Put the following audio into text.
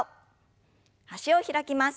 脚を開きます。